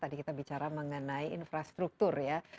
tadi kita bicara mengenai infrastruktur ya